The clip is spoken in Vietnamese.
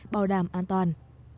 bảo đảm an toàn